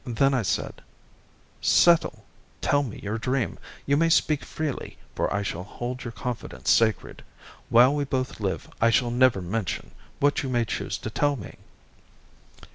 Then I said: "Settle, tell me your dream. You may speak freely, for I shall hold your confidence sacred. While we both live I shall never mention what you may choose to tell me."